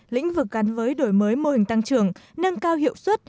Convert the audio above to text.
lĩnh vực gắn với đổi mới mô hình tăng trưởng nâng cao hiệu suất